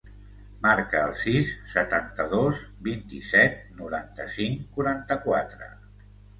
Marca el sis, setanta-dos, vint-i-set, noranta-cinc, quaranta-quatre.